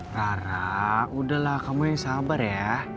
karena udahlah kamu yang sabar ya